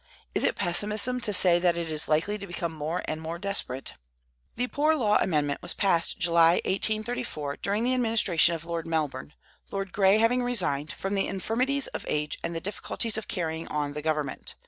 Is it pessimism to say that it is likely to become more and more desperate? The "Poor Law Amendment" was passed July, 1834, during the administration of Lord Melbourne, Lord Grey having resigned, from the infirmities of age and the difficulties of carrying on the government.